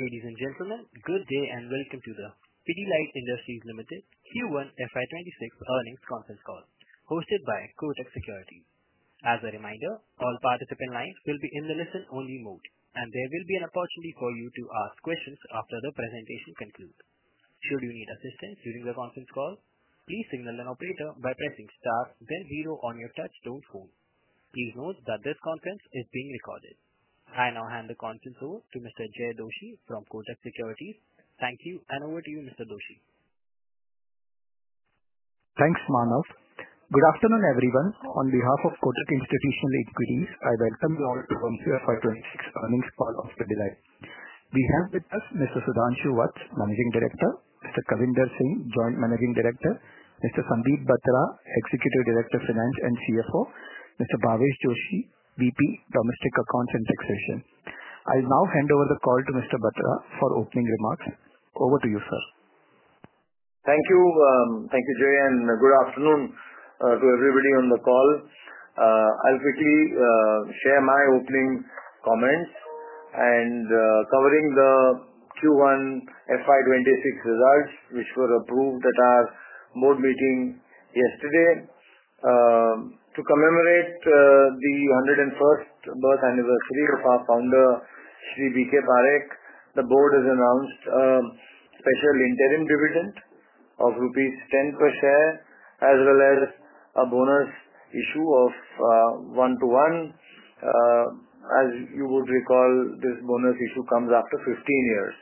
Ladies and gentlemen, good day and welcome to the Pidilite Industries Limited Q1 FY 2026 earnings conference call, hosted by Kotak Securities. As a reminder, all participant lines will be in the listen-only mode, and there will be an opportunity for you to ask questions after the presentation concludes. Should you need assistance during the conference call, please signal an operator by pressing star then zero on your touch-tone phone. Please note that this conference is being recorded. I now hand the conference over to Mr. Jay Doshi from Kotak Securities. Thank you, and over to you, Mr. Doshi. Thanks, Manav. Good afternoon, everyone. On behalf of Kotak Securities Institutional Equities, I welcome you all to our conference earnings call of Pidilite. We have with us Mr. Sudhanshu Vats, Managing Director, Mr. Kavinder Singh, Joint Managing Director, Mr. Sandeep Batra, Executive Director of Finance and CFO, and Mr. Babesh Joshi, Vice President of Domestic Accounts and Taxation. I'll now hand over the call to Mr. Batra for opening remarks. Over to you, sir. Thank you, Jay, and good afternoon to everybody on the call. I'll quickly share my opening comments and cover the Q1 FY 2026 results, which were approved at our board meeting yesterday. To commemorate the 101st birth anniversary of our founder, Sri BK Parekh, the board has announced a special interim dividend of rupees 10 per share, as well as a 1:1 bonus issue. As you would recall, this bonus issue comes after 15 years.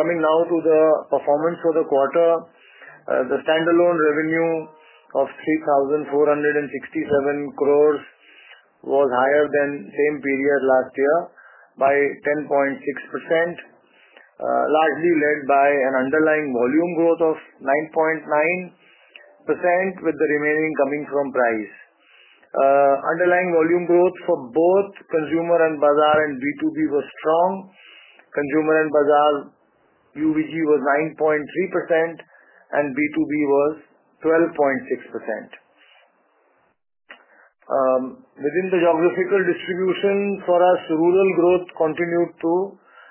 Coming now to the performance for the quarter, the standalone revenue of 3,467 crore was higher than the same period last year by 10.6%, largely led by an underlying volume growth of 9.9%, with the remaining coming from price. Underlying volume growth for both Consumer and Bazaar and B2B was strong. Consumer and Bazaar UVG was 9.3%, and B2B was 12.6%. Within the geographical distribution for us, rural growth continued to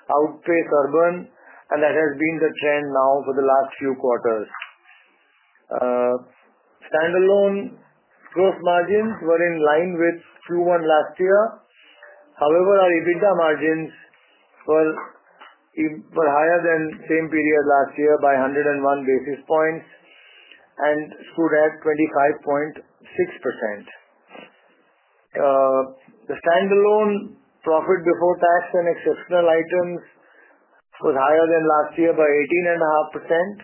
outpace urban, and that has been the trend now for the last few quarters. Standalone gross margins were in line with Q1 last year. However, our EBITDA margins were higher than the same period last year by 101 basis points and stood at 25.6%. The standalone profit before tax and exceptional items was higher than last year by 18.5%,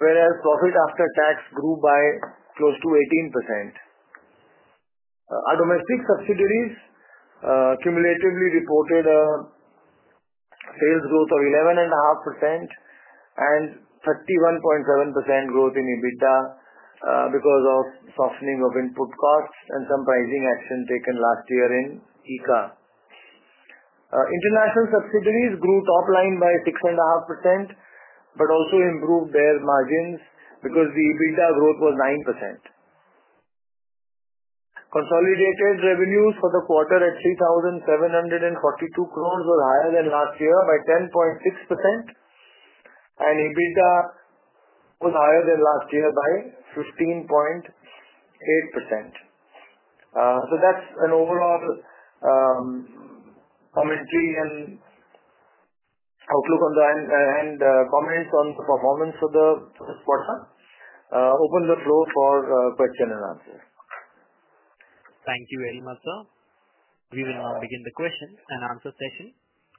whereas profit after tax grew by close to 18%. Our domestic subsidiaries cumulatively reported a sales growth of 11.5% and 31.7% growth in EBITDA because of softening of input costs and some pricing action taken last year in ICA. International subsidiaries grew top line by 6.5%, but also improved their margins because the EBITDA growth was 9%. Consolidated revenues for the quarter at 3,742 crore were higher than last year by 10.6%, and EBITDA was higher than last year by 15.8%. That is an overall commentary and outlook on the end comments on the performance for the quarter. Open the floor for questions and answers. Thank you very much, sir. We will now begin the question-and-answer session.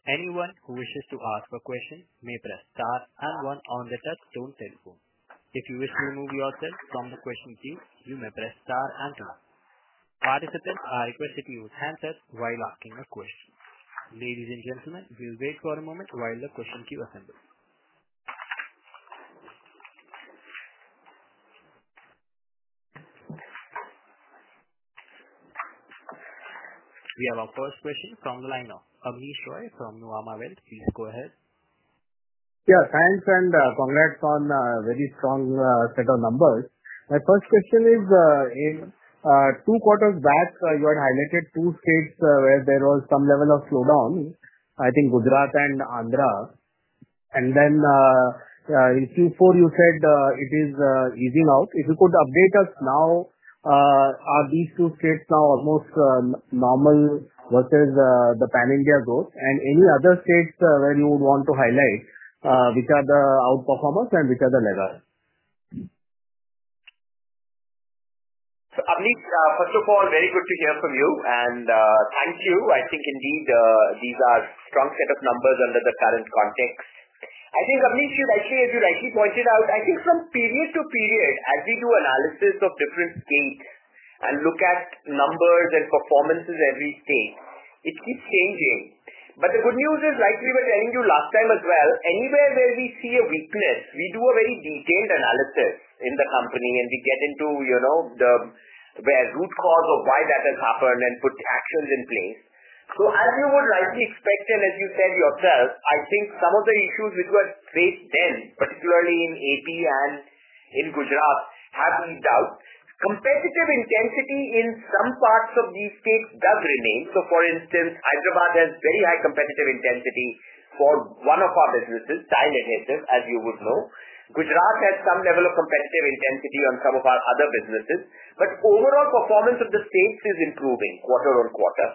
Anyone who wishes to ask a question may press star and one on the touch-tone telephone. If you wish to remove yourself from the question queue, you may press star and two. Participants are requested to use hands up while asking a question. Ladies and gentlemen, we'll wait for a moment while the question queue assembles. We have our first question from the line now. [Agniesz Choy, from New Amavelt], please go ahead. Yes, thanks and congrats on a very strong set of numbers. My first question is, in two quarters' gaps, you had highlighted two states where there was some level of slowdown, I think Gujarat and Andhra. In Q4, you said it is easing out. If you could update us now, are these two states now almost normal versus the Pan-India growth? Any other states where you would want to highlight which are the outperformers and which are the levers? Agni, first of all, very good to hear from you, and thank you. I think indeed these are strong set of numbers under the current context. I think Agniesh, you're right. As you rightly pointed out, from period to period, as we do analysis of different states and look at numbers and performances in every state, it keeps changing. The good news is, like we were telling you last time as well, anywhere where we see a weakness, we do a very detailed analysis in the company and we get into the root cause of why that has happened and put actions in place. As you would likely expect, and as you said yourself, some of the issues which were faced then, particularly in AP and in Gujarat, have beamed out. Competitive intensity in some parts of these states does remain. For instance, Hyderabad has very high competitive intensity for one of our businesses, as you would know. Gujarat has some level of competitive intensity on some of our other businesses. Overall performance of the states is improving quarter on quarter.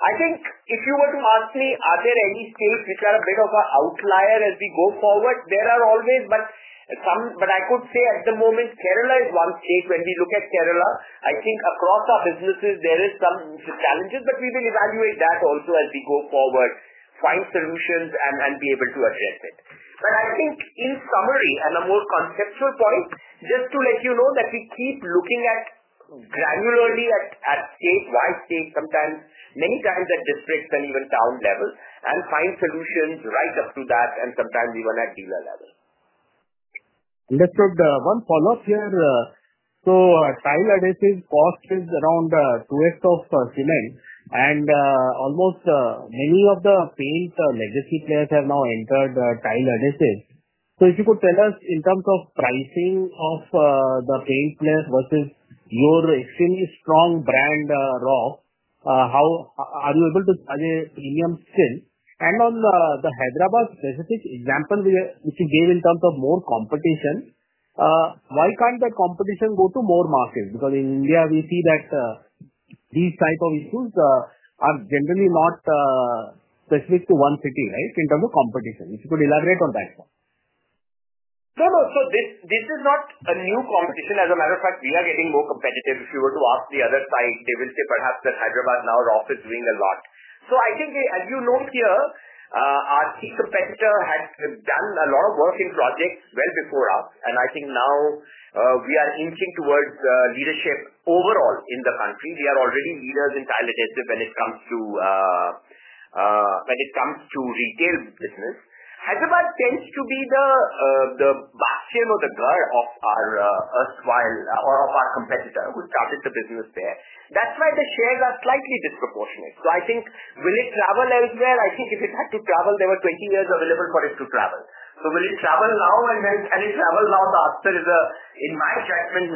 If you were to ask me, are there any states which are a bit of an outlier as we go forward? There are always some, but I could say at the moment, Kerala is one state. When we look at Kerala, across our businesses, there are some challenges, but we will evaluate that also as we go forward, find solutions, and be able to address it. In summary, and a more conceptual point, just to let you know that we keep looking granularly at state by state, sometimes manyx at districts and even town level, and find solutions right up to that, and sometimes even at the level. Just one follow-up here. Tile adhesives' cost is around 2x of cement, and almost many of the famed legacy players have now entered tile adhesives. If you could tell us in terms of pricing of the famed players versus your extremely strong brand Roff, how are you able to target premium still? On the Hyderabad specific example which you gave in terms of more competition, why can't that competition go to more markets? In India, we see that these types of issues are generally not specific to one city, right, in terms of competition. If you could elaborate on that. No, no. This is not a new competition. As a matter of fact, we are getting more competitive. If you were to ask the other side, they will say perhaps that Hyderabad now Roff is doing a lot. I think, as you note here, our key competitor had done a lot of work in projects well before us. I think now we are inching towards leadership overall in the country. We are already leaders in tile adhesives when it comes to retail business. Hyderabad tends to be the bastion or the guard of our erstwhile competitor who started the business there. That is why the shares are slightly disproportionate. I think will it travel elsewhere? If it had to travel, there were 20 years available for it to travel. Will it travel now? The answer is, in my environment,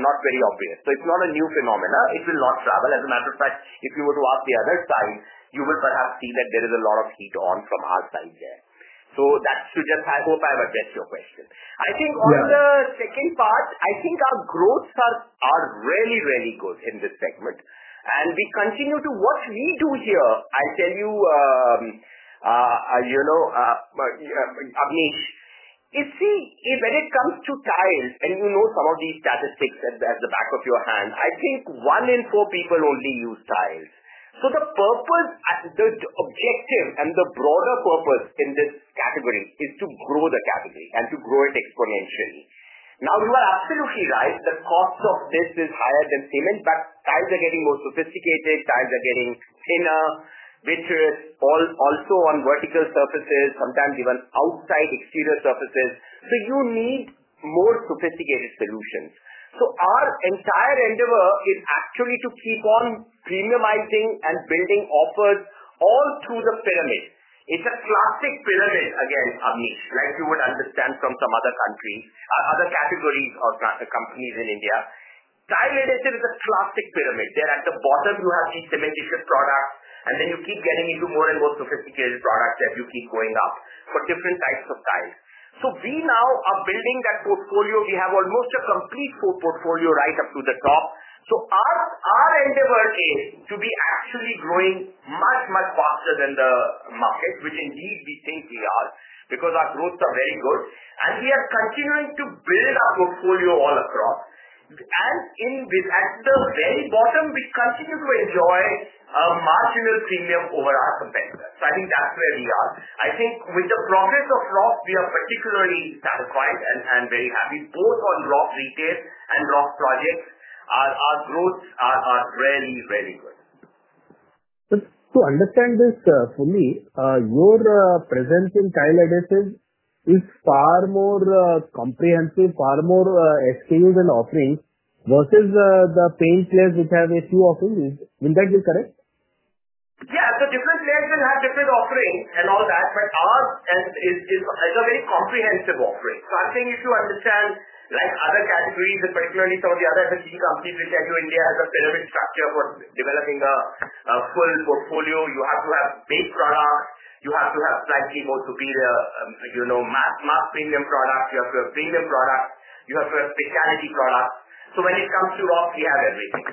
not very obvious. It is not a new phenomenon. It will not travel. As a matter of fact, if you were to ask the other side, you will perhaps see that there is a lot of heat on from our side there. I hope I have addressed your question. On the second part, I think our growth stats are really, really good in this segment. We continue to what we do here, I will tell you, Agni. You see, when it comes to tiles, and you know some of these statistics at the back of your hand, I think one in four people only use tiles. The purpose, the objective, and the broader purpose in this category is to grow the category and to grow it exponentially. You are absolutely right that cost of this is higher than cement, but tiles are getting more sophisticated. Tiles are getting thinner, better, also on vertical surfaces, sometimes even outside exterior surfaces. You need more sophisticated solutions. Our entire endeavor is actually to keep on premiumizing and building offers all through the pyramid. It is a classic pyramid, again, Agni, like you would understand from some other countries, other categories of companies in India. Tile adhesives is a classic pyramid. There at the bottom, you have these cementitious products, and then you keep getting into more and more sophisticated products as you keep going up for different types of tiles. We now are building that portfolio. We have almost a complete portfolio right up to the top. Our endeavor is to be actually growing much, much faster than the market, which indeed we think we are because our growths are very good. We are continuing to build our portfolio all across. As in the very bottom, we continue to enjoy a marginal premium over our competitors. I think that is where we are. I think with the progress of Roff, we are particularly satisfied and very happy both on Roff retail and Roff projects. Our growths are really, really good. To understand this for me, your presence in tile adhesives is far more comprehensive, far more scaled and offering versus the famed players which have a few offerings. Isn't that correct? Yeah, the different players will have different offerings and all that, but ours is a very comprehensive offering. I think if you understand, like other categories, particularly some of the other key companies, they'll tell you India has a pyramid structure for developing a full portfolio. You have to have big products. You have to have plenty of superior, you know, mass premium products. You have to have premium products. You have to have technology products. When it comes to Roff, we have everything.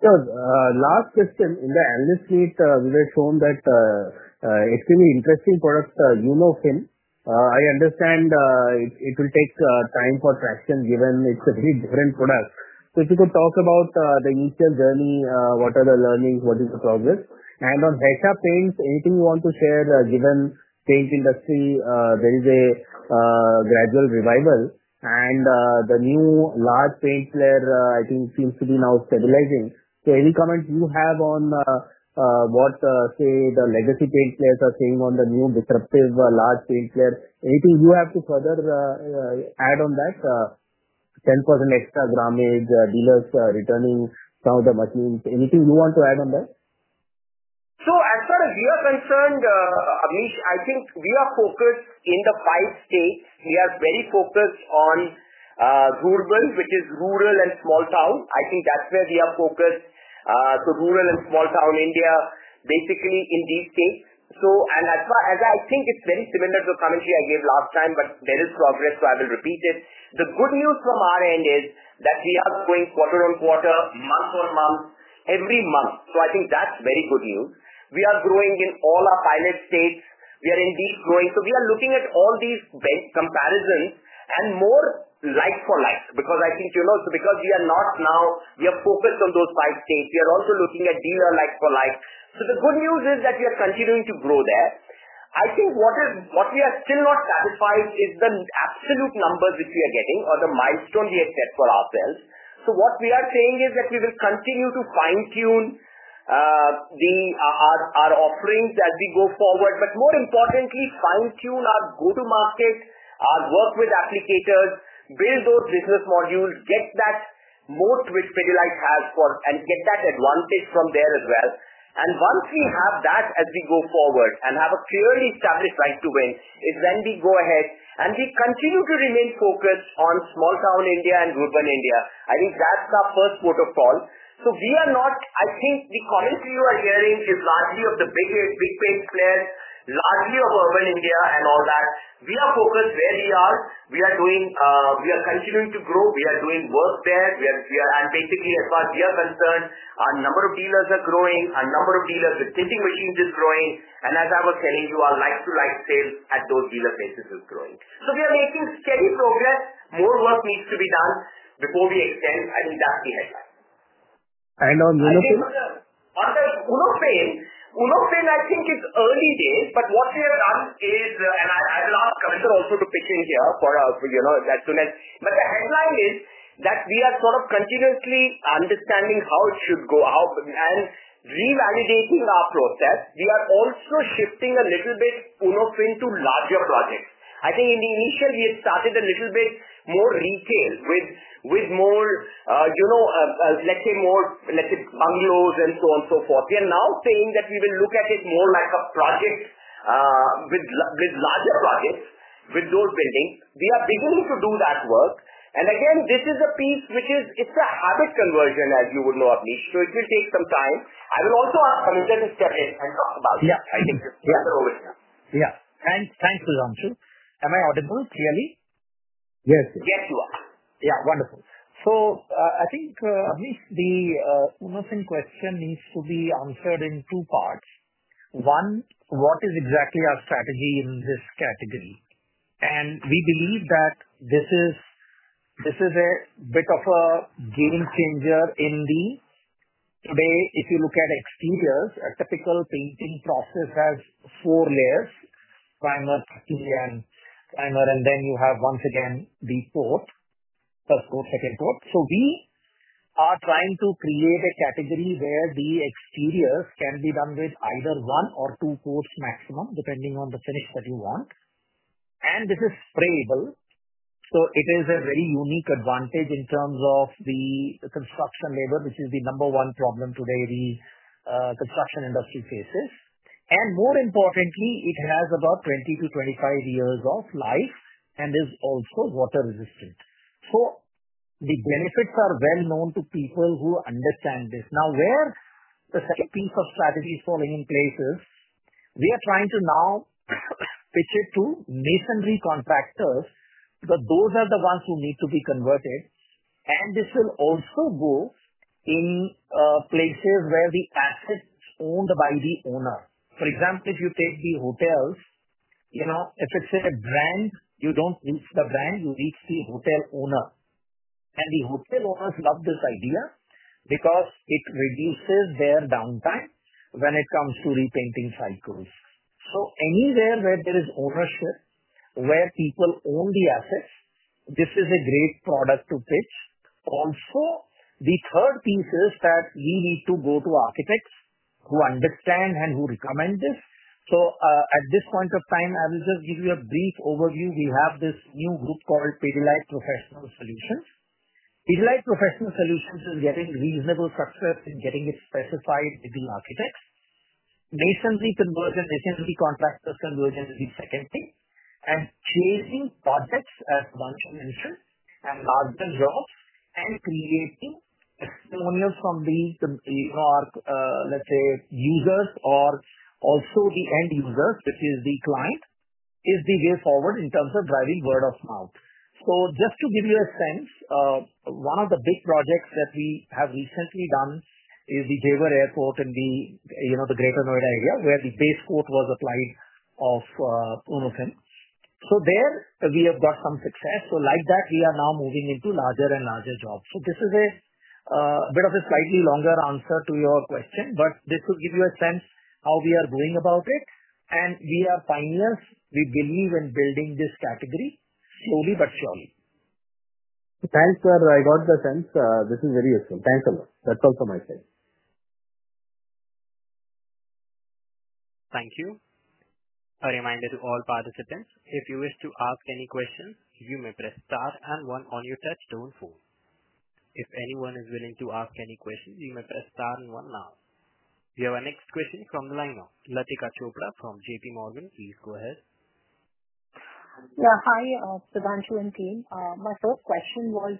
Last question. In the analyst suite, we were shown that it's going to be an interesting product. You know him. I understand it will take time for traction given it's a very different product. If you could talk about the retail journey, what are the learnings, what is the progress? On Haisha paints, anything you want to share given paint industry? There is a gradual revival, and the new large paint player, I think, seems to be now stabilizing. Any comments you have on what, say, the legacy paint players are saying on the new disruptive large paint player? Anything you have to further add on that? 10% extra grammage dealers returning some of the machines. Anything you want to add on that? As far as you are concerned, Agni, I think we are focused in the five states. We are very focused on Gujarat, which is rural and small town. I think that's where we are focused, so rural and small town India basically in these states. I think it's very similar to the commentary I gave last time, but there is progress, so I will repeat it. The good news from our end is that we are going quarter on quarter, month on month, every month. I think that's very good news. We are growing in all our pilot states. We are indeed growing. We are looking at all these comparisons and more like for like because I think, you know, it's because we are not now, we are focused on those five states. We are also looking at dealer like for like. The good news is that we are continuing to grow there. I think what we are still not satisfied with is the absolute numbers which we are getting or the milestone we have set for ourselves. What we are saying is that we will continue to fine-tune our offerings as we go forward. More importantly, fine-tune our go-to-market, our work with applicators, build those business modules, get that more which Pidilite has for, and get that advantage from there as well. Once we have that as we go forward and have a clearly clarified to win, we go ahead and we continue to remain focused on small town India and urban India. I think that's the first protocol. We are not, I think the commentary you are hearing is largely of the big paint players, largely of urban India and all that. We are focused where we are. We are doing, we are continuing to grow. We are doing work there. We are anticipating as far as we are concerned. Our number of dealers are growing. Our number of dealers are taking which means it's growing. As I was telling you, our like-to-like sales at those dealer places is growing. We are making steady progress. More work needs to be done before we extend and we're done here. On UnoFin. UnoFin, I think it's early days, but what we have done is, and I will ask Clemson also to pick me here for that too next. The headline is that we are sort of continuously understanding how it should go out and revalidating our process. We are also shifting a little bit UnoFin to larger projects. I think in the initial year it started a little bit more retail with more, you know, let's say more unloads and so on and so forth. We are now saying that we will look at it more like a project with larger projects, with those buildings. We are beginning to do that work. This is a piece which is, it's a habit conversion, as you would know, Agni. It will take some time. I will also present a study and talk about it. Yeah, I can take that over. Yeah. Thanks, thanks, Sudhanshu. Am I audible clearly? Yes. Yes, you are. Yeah, wonderful. I think the UnoFin question needs to be answered in two parts. One, what is exactly our strategy in this category? We believe that this is a bit of a game changer in the way if you look at exteriors. A typical painting process has four layers: primer, primer, and then you have once again the coat and coat. We are trying to create a category where the exteriors can be done with either one or two coats maximum, depending on the finish you want. This is sprayable. It is a very unique advantage in terms of the construction labor, which is the number one problem today the construction industry faces. More importantly, it has about 20 years-25 years of life and is also water-resistant. The benefits are well known to people who understand this. Now, where the piece of strategy is falling in place is we are trying to now pitch it to masonry contractors because those are the ones who need to be converted. This will also go in places where the assets are owned by the owner. For example, if you take the hotels, if it's a brand, you don't reach the brand, you reach the hotel owner. The hotel owners love this idea because it reduces their downtime when it comes to repainting shampoos. Anywhere where there is ownership, where people own the assets, this is a great product to pitch. Also, the third piece is that we need to go to architects who understand and who recommend this. At this point of time, I will just give you a brief overview. We have this new group called Pidilite Professional Solutions. Pidilite Professional Solutions is getting reasonable success in getting it specified with the architect. Masonry contractors conversion is the second thing. Placing concepts as one solution and larger jobs and creating testimonials from these large, let's say, users or also the end users, which is the client, is the way forward in terms of driving word of mouth. Just to give you a sense, one of the big projects that we have recently done is the Jewar Airport in the Greater Noida area where the base coat was applied of UnoFin. There, we have got some success. Like that, we are now moving into larger and larger jobs. This is a bit of a slightly longer answer to your question, but this would give you a sense of how we are going about it. We are pioneers. We believe in building this category slowly but surely. Thanks, sir. I got the sense. This is very useful. Thanks a lot. That's all from my side. Thank you. A reminder to all participants, if you wish to ask any questions, you may press star and one on your touch-tone phone. If anyone is willing to ask any questions, you may press star and one now. We have our next question from the line now. Latika Chopra from JPMorgan, please go ahead. Yeah, hi, Sudhanshu and team. My first question was,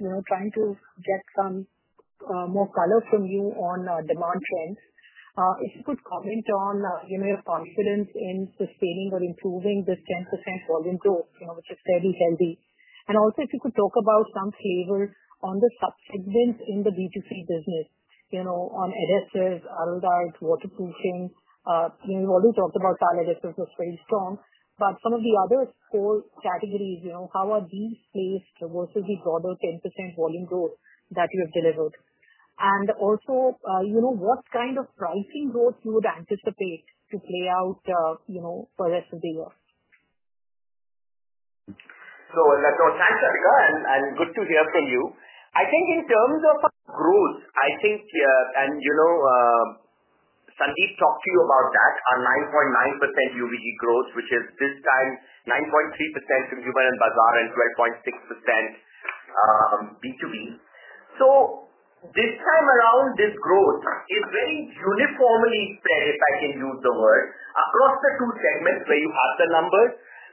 you know, trying to get some more color from you on demand sense. If you could comment on, you know, your confidence in sustaining or improving this 10% volume growth, which is fairly healthy. Also, if you could talk about some flavors on the subsegments in the B2C business, you know, on adhesives, Araldite, waterproofing. You know, you've already talked about tile adhesives are pretty strong. Some of the other store categories, you know, how are these placed versus the broader 10% volume growth that you have delivered? Also, you know, what kind of pricing growth you would anticipate to play out, you know, for this flavor? Oh, and guys, I'm good to hear from you. I think in terms of growth, I think, and you know, Sandeep talked to you about that, our 9.9% UVG growth, which is this time 9.3% Consumer and Bazaar and one2.6% B2B. This time around, this growth is very uniformly fair, if I can use the word, across the two segments where you have the numbers.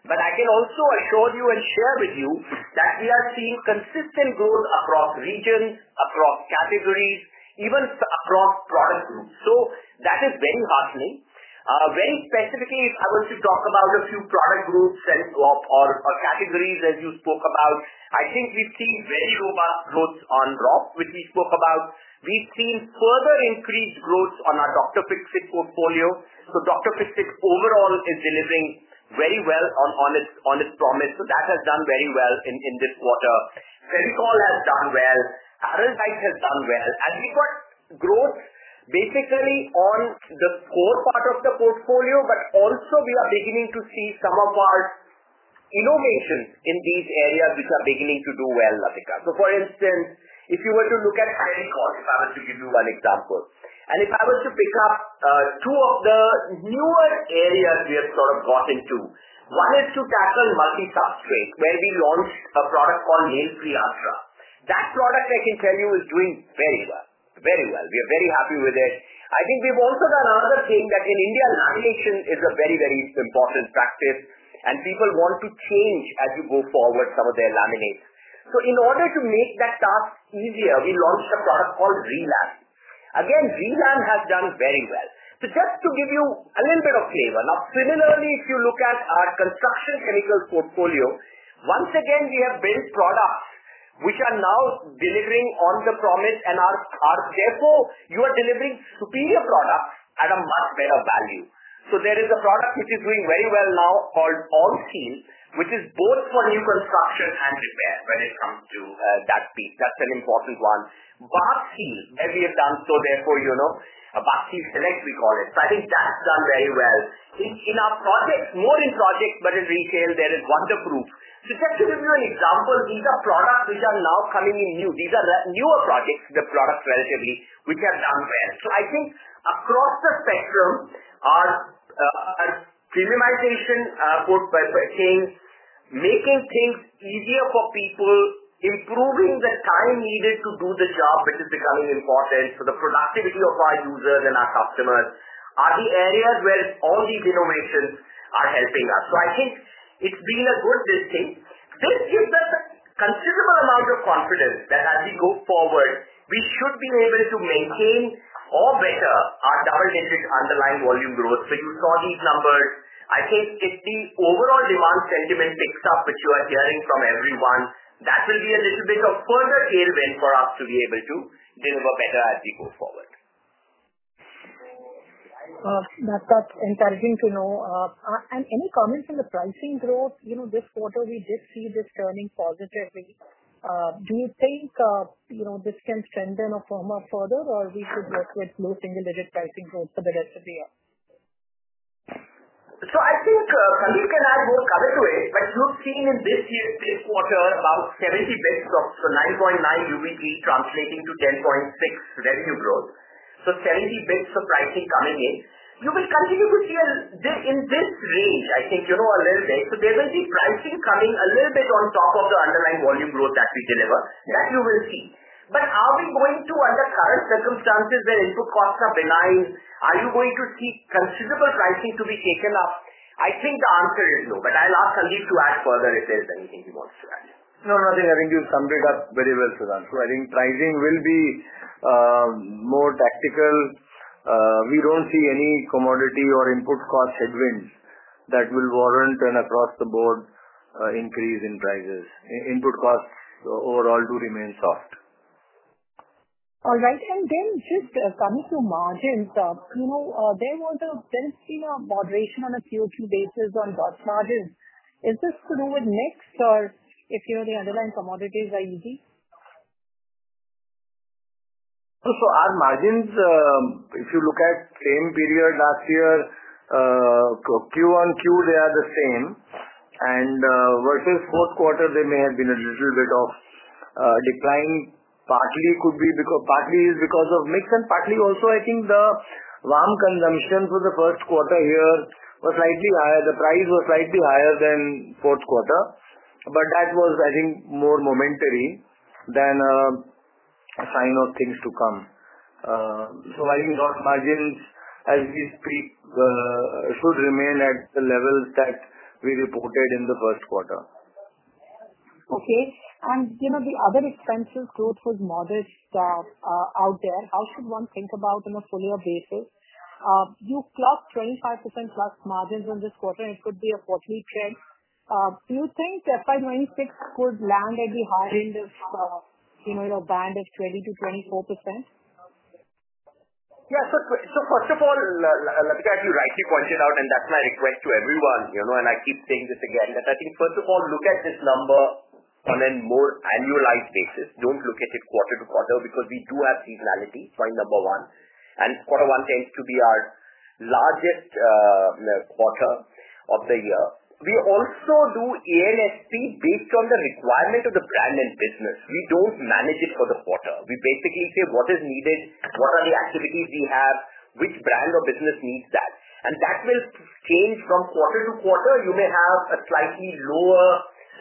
I can also assure you and share with you that we are seeing consistent growth across regions, across categories, even across product groups. That is very heartening. Very specifically, if I was to talk about a few product groups or categories, as you spoke about, I think we've seen very robust growths on Roff, which we spoke about. We've seen further increased growths on our Dr. Fixit portfolio. Dr. Fixit overall is delivering very well on its promise. That has done very well in this quarter. Fevicol has done well. Araldite has done well. We've got growth basically on the core part of the portfolio, but also we are beginning to see some of our innovations in these areas which are beginning to do well, Latika. For instance, if you were to look at higher cost, if I was to give you one example, and if I was to pick up two of the newer areas we have sort of got into, one is to tackle multitasking, where we launched a product called [M-Seal Astra]. That product, I can tell you, is doing very well, very well. We are very happy with it. I think we've also done another thing that in India, laminates is a very, very important practice, and people want to change as you go forward some of their laminates. In order to make that task easier, we launched a product called [Reliance]. Again, [Reliance] has done very well. Just to give you a little bit of flavor. Now, similarly, if you look at our construction chemicals portfolio, once again, we have built products which are now delivering on the promise and are, therefore, you are delivering superior products at a much better value. There is a product which is doing very well now called Allclean, which is both for new construction and repair when it comes to that piece. That's an important one. [Barseal], as we have done so, therefore, you know, [Barseal's delegs], we call it. I think that's done very well. In our project, more in project, but in retail, there is Wonderproof. Just to give you an example, these are products which are now coming in new. These are newer projects, the products relatively, which have done well. I think across the spectrum, our premiumization put by purchasing, making things easier for people, improving the time needed to do the job, which is becoming important for the productivity of our users and our customers, are the areas where all these innovations are helping us. I think it's been a good listing. It does give us a considerable amount of confidence that as we go forward, we should be able to maintain or better our underlying volume growth. You saw these numbers. I think it's the overall demand sentiment mixed up, which you are hearing from everyone. That will be a little bit of further tailwind for us to be able to deliver better as we go forward. That's encouraging to know. Any comments on the pricing growth? You know, this quarter, we did see this turning positively. Do you think this can send in a firm up further, or are we still just with low single-digit pricing growth for the rest of the year? I think we can add more coming to it, but you've seen in this year's quarter about 70 bps of 9.9% UVP translating to 10.6% revenue growth. So 70 bps of pricing coming in. You will continue to see this in this range, I think, you know, a little bit. There will be pricing coming a little bit on top of the underlying volume growth that we deliver. That you will see. Are we going to, under current circumstances where input costs are benign, are you going to see considerable pricing to be taken up? I think the answer is no, but I'll ask Sandeep to add further if there's anything he wants to add. No, nothing. I think you summed it up very well, Sudhanshu. I think pricing will be more tactical. We don't see any commodity or input cost headwinds that will warrant an across-the-board increase in prices. Input costs overall do remain soft. All right. Just coming to margins, you know, there was a sense of moderation on a Q2 basis on gross margins. Is this to do with mix or if you know the underlying commodities are easy? Our margins, if you look at the same period last year, Q1Q, they are the same. Versus fourth quarter, they may have been a little bit of a decline. Partly could be because partly is because of NIx and partly also, I think the VAM consumption for the first quarter here was slightly higher. The price was slightly higher than fourth quarter. That was, I think, more momentary than a sign of things to come. Our margins, as we speak, should remain at the levels that we reported in the first quarter. Okay. You know, the other expenses too for the modest staff out there, how should one think about in a fully updated? You clocked 25%+ margins in this quarter, and it could be a quarterly trend. Do you think FY 2026 could land at the higher end of, you know, in a band of 20% to 24%? Yeah. First of all, Latika, as you rightly pointed out, and that's my request to everyone, you know, I keep saying this again, that I think first of all, look at this number on a more annualized basis. Don't look at it quarter to quarter because we do have seasonalities, right, number one. Quarter one tends to be our largest quarter of the year. We also do ANSP based on the requirement of the brand and business. We don't manage it for the quarter. We basically say what is needed, what are the activities you have, which brand or business needs that. That will change from quarter to quarter. You may have a slightly lower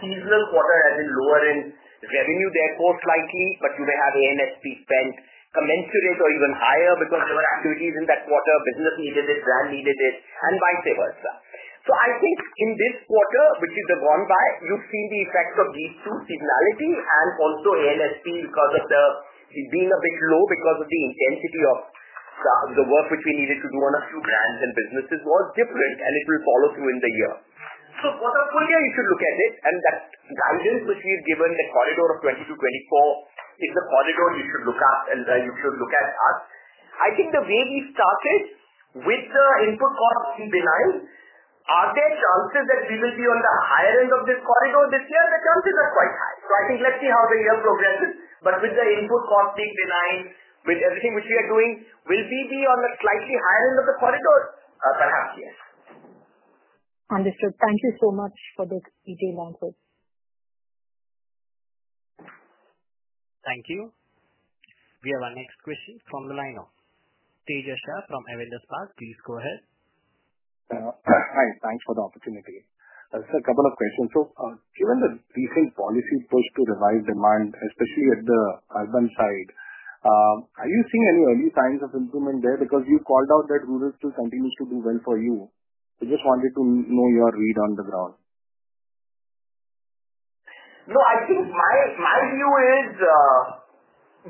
seasonal quarter and a lower in revenue decor slightly, but you may have ANSP spent commensurate or even higher because there are activities in that quarter, business needed it, brand needed it, and vice versa. I think in this quarter, which is the gone by, you've seen the effects of these two seasonality and also ANSP because it's been a bit low because of the intensity of the work which we needed to do on a few brands and businesses was different, and it will follow through in the year. Quarterly you should look at it, and that guidance which we've given, the corridor of 22%-24% is the corridor you should look at, and you should look at us. I think the way we started with the input cost being benign, are there chances that we will be on the higher end of this corridor this year? The chances are quite high. I think let's see how the year progresses. With the input cost being benign, with everything which we are doing, will we be on the slightly higher end of the corridor? Perhaps, yes. Understood. Thank you so much for this detailed answer. Thank you. We have our next question from the line now. [Tejasha from], please go ahead. Hi. Thanks for the opportunity. Just a couple of questions. Given the recent policy push to revive demand, especially at the urban side, are you seeing any early signs of improvement there? You've called out that rural still continues to do well for you. We just wanted to know your read on the ground. No, I think my view is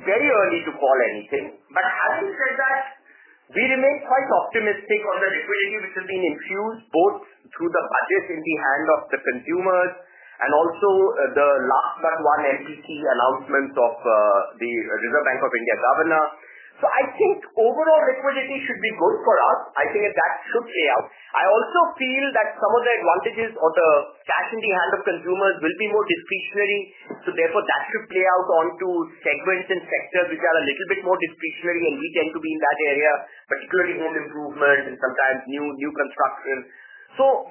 very early to call anything. Having said that, we remain quite optimistic on the requirements which have been infused both through the budget in the hand of the consumers and also the last one NPC announcement of the Reserve Bank of India governor. I think overall liquidity should be good for us. I think that should play out. I also feel that some of the advantages or the cash in the hand of consumers will be more discretionary. Therefore, that should play out onto segments and sectors which are a little bit more discretionary, and we tend to be in that area, particularly in improvement and sometimes new construction.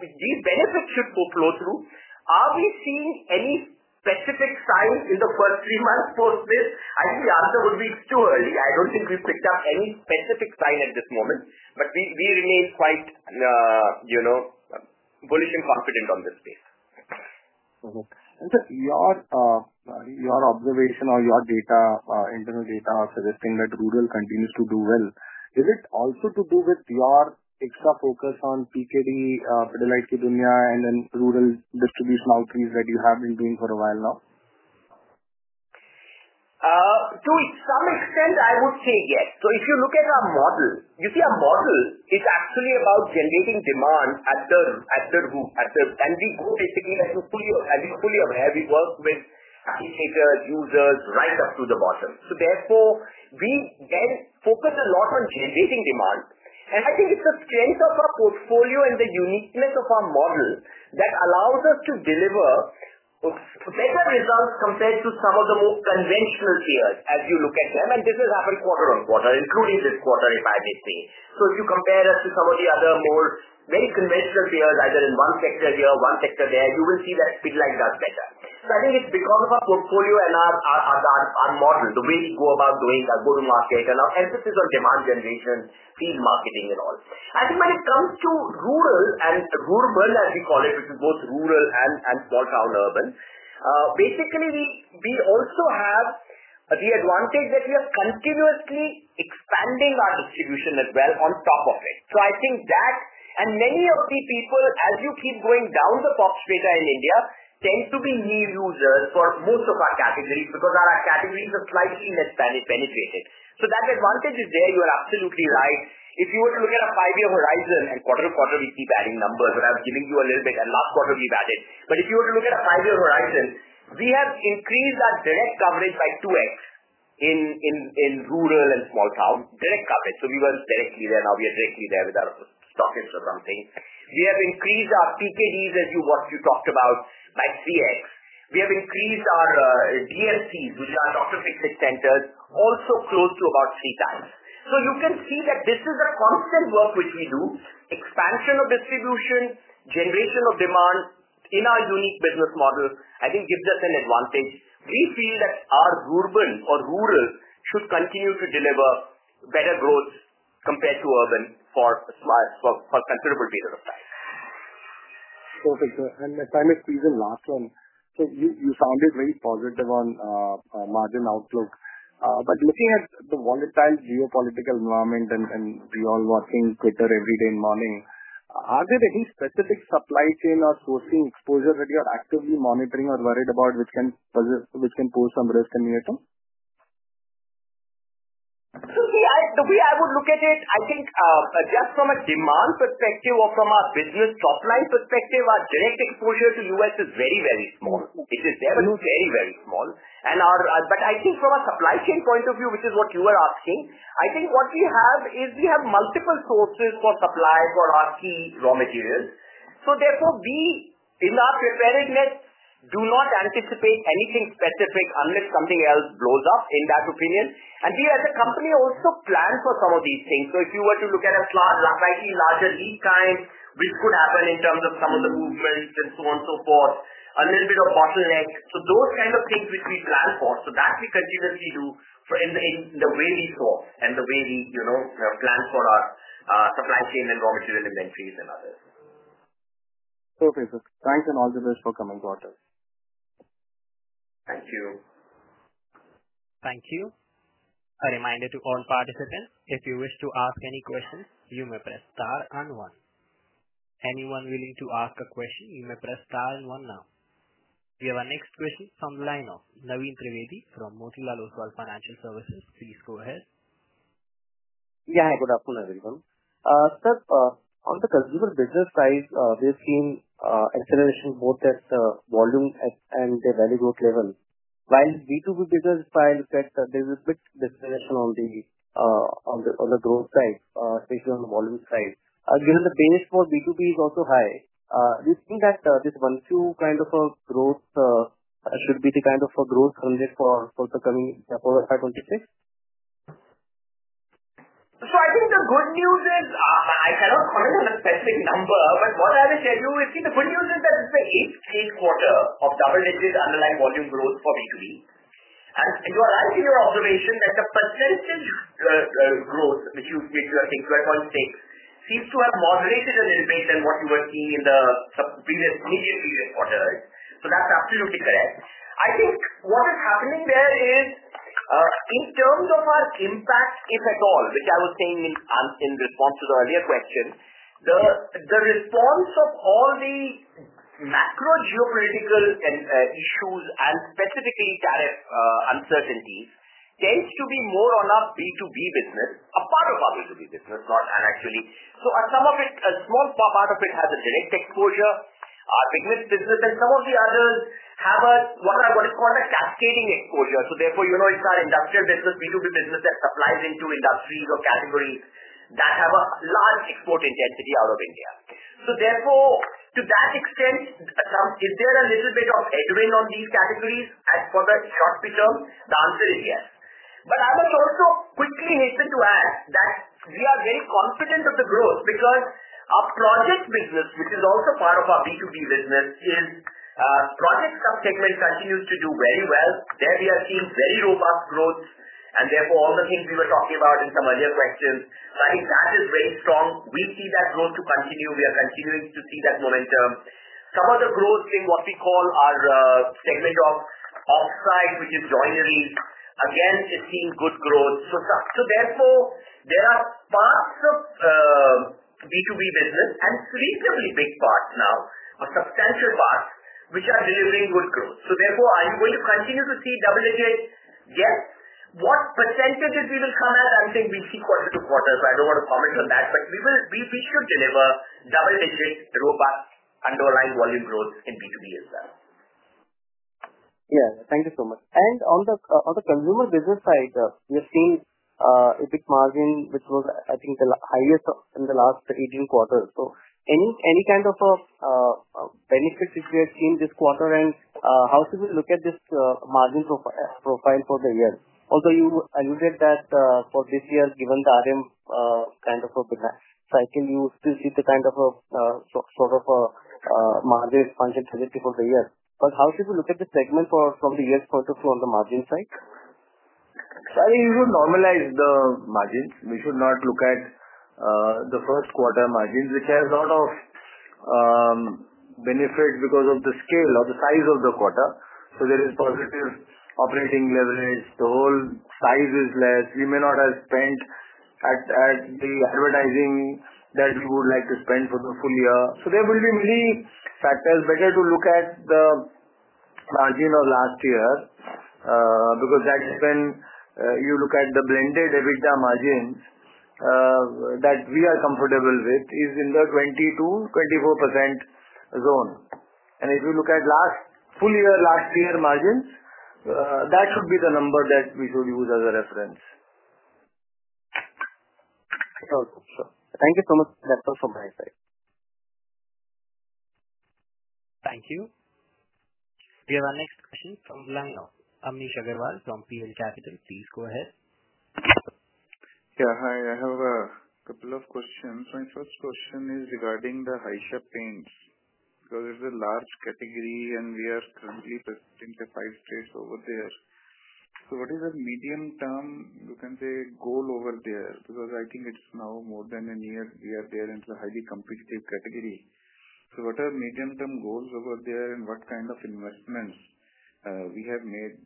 These benefits should flow through. Are we seeing any specific signs in the first three months for this? I think the answer would be still early. I don't think we've picked up any specific sign at this moment, but we remain quite, you know, bullish and confident on this space. Your observation or your data, internal data, are suggesting that rural continues to do well. Is it also to do with your extra focus on PKD, Pidilite Kidunia, and then rural distribution outreach that you have been doing for a while now? To some extent, I would say yes. If you look at our model, you see our model is actually about generating demand at the root. We go basically, as you're fully aware, we work with users right up to the bottom. Therefore, we then focus a lot on generating demand. I think it's the strength of our portfolio and the uniqueness of our model that allows us to deliver better results compared to some of the more conventional tiers as you look at them. This has happened quarter on quarter, including this quarter in 5HP. If you compare us to some of the other more very conventional tiers, either in one sector here or one sector there, you will see that Pidilite does better. I think it's because of our portfolio and our model, the way we go about doing our go-to-market and our emphasis on demand generation, field marketing, and all. When it comes to rural, as you call it, which is both rural and small town urban, basically, we also have the advantage that we are continuously expanding our distribution as well on top of it. I think that, and many of the people, as you keep going down the pops data in India, tend to be new users for most of our categories because our categories are slightly less penetrated. That advantage is there. You are absolutely right. If you were to look at our five-year horizon, and quarter to quarter, we keep adding numbers, but I was giving you a little bit, and last quarter we've added. If you were to look at five-year horizon, we have increased our direct coverage by 2x in rural and small town direct coverage. We weren't directly there. Now we are directly there with our stockists around things. We have increased our PKDs, as you talked about, by 3x We have increased our GFCs, which are Dr. Fixit centers, also close to about 3x. You can see that this is the constant work which we do. Expansion of distribution, generation of demand in our unique business model, I think gives us an advantage. We feel that our rural should continue to deliver better growth compared to urban for a considerable period of time. Perfect, sir. My time is pleasing last one. You sounded very positive on a margin outlook. Looking at the volatile geopolitical environment and you all watching Twitter every day in the morning, are there any specific supply chain or sourcing exposures that you're actively monitoring or worried about which can pose some risk in the near term? The way I would look at it, I think just from a demand perspective or from our business top line perspective, our direct exposure to the U.S. is very, very small. It is very, very, very small. From a supply chain point of view, which is what you are asking, I think what we have is we have multiple sources for supply for our key raw materials. Therefore, in our preparedness, we do not anticipate anything specific unless something else blows up in that opinion. We as a company also plan for some of these things. If you were to look at a slightly larger lead time, which could happen in terms of some of the movements and so on and so forth, a little bit of bottlenecks, those kinds of things we plan for. We continuously do that in the way we saw and the way we plan for our supply chain and raw material inventories and others. Okay, sir. Thanks and all the best for coming to our talk. Thank you. Thank you. A reminder to all participants, if you wish to ask any questions, you may press star and one. Anyone willing to ask a question, you may press star and one now. We have our next question from the line of [Naveen Trimedi from Mojila Locale Financial Services]. Please go ahead. Yeah, hi. Good afternoon, everyone. Sir, Consumer and Bazaar business side, we have seen acceleration both at volume and the value growth level. While B2B business side affects a little bit of discrimination on the growth side, especially on the volume side, given the pain is small, B2B is also high. Do you think that this one-two kind of a growth should be the kind of a growth for the coming Q4 of Q2? I think the good news is I cannot comment on a specific number, but what I will tell you is, the good news is that it's the eighth quarter of Pidilite Industries Limited's underlying volume growth for B2B. You are right in your observation that the percentage growth, which you think you are going to see, seems to have moderated an increase than what we were seeing in the previous quarter. That's absolutely correct. I think what is happening there is, in terms of our impact, if at all, which I was saying in response to the earlier question, the response of all the macro geopolitical issues and specifically uncertainties tends to be more on our B2B business, a part of our B2B business, not actually. Some of it, a small part of it, has a direct exposure, our business, and some of the others have what I want to call a cascading exposure. Therefore, it's our industrial business, B2B business that supplies into industries or categories that have a large export intensity out of India. To that extent, is there a little bit of headwind on these categories as for the short-term? The answer is yes. I was also quickly needed to add that we are very confident of the growth because our project business, which is also part of our B2B business, project subsegments continue to do very well. There we have seen very robust growth, and therefore, all the things we were talking about in some earlier questions, that is very strong. We see that growth to continue. We are continuing to see that momentum. Some of the growth in what we call our segment of offsite, which is joineries, again, is seeing good growth. Therefore, there are parts of B2B business and, a big part now, a substantial part, which are delivering good growth. Are you going to continue to see double digit? Yes. What percentage we will come at, I think we'll see quarter to quarter. I don't want to comment on that, but we will deliver double digit robust underlying volume growth in B2B as well. Thank you so much. On the consumer business side, we've seen a bit margining, which was, I think, the highest in the last three-year quarter. Any kind of benefits you have seen this quarter? How should we look at this margin profile for the year? Although you alluded that for this year, given the RM kind of a business cycle, you still see the kind of a sort of a margin expansion tendency for the year. How should we look at the segment from the year's quarter for on the margin side? I usually normalize the margins. We should not look at the first quarter margins, which have a lot of benefits because of the scale or the size of the quarter. There is positive operating leverage. The whole size is less. We may not have spent at the advertising that we would like to spend for the full year. There will be many factors. It is better to look at the margin of last year, because when you look at the blended EBITDA margins, that we are comfortable with is in the 22-24% zone. If you look at last full year, last year margins, that would be the number that we could use as a reference. Okay, sure. Thank you so much, Doctor, from my side. Thank you. We have our next question from the line now. Amnish Aggarwal from PL Capital. Please go ahead. Yeah, hi. I have a couple of questions. My first question is regarding the Haisha pain because it's a large category and we are currently pursuing the five stays over there. What is the medium-term, you can say, goal over there? I think it's now more than a year we are there and it's a highly competitive category. What are the medium-term goals over there and what kind of investments we have made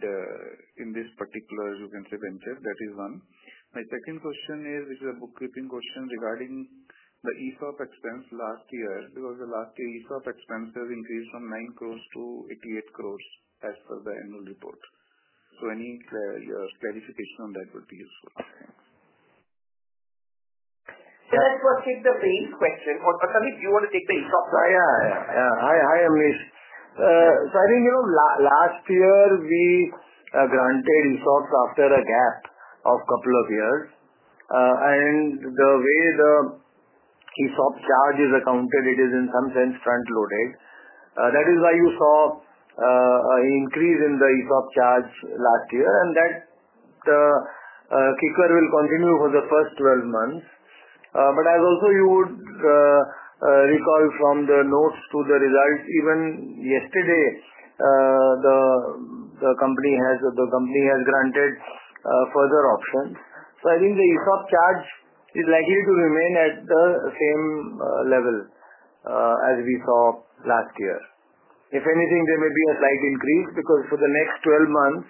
in this particular, you can say, venture? That is one. My second question is, which is a bookkeeping question regarding the ESOP expense last year because the last year ESOP expense has increased from 9 crore to 88 crore as per the annual report. Any clarification on that would be useful. Yeah, let's first take the pains question. Sandeep, you want to take the ESOP question? Hi, Amnish. I think, you know, last year we granted ESOPs after a gap of a couple of years. The way the ESOP charge is accounted, it is in some sense front-loaded. That is why you saw an increase in the ESOP charge last year. That will continue for the first 12 months. As you would recall from the notes to the results, even yesterday, the company has granted further options. I think the ESOP charge is likely to remain at the same level as we saw last year. If anything, there may be a slight increase because for the next 12 months,